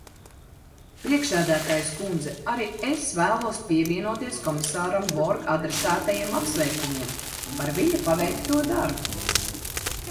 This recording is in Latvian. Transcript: Priekšsēdētājas kundze, arī es vēlos pievienoties komisāram Borg adresētajiem apsveikumiem par viņa paveikto darbu.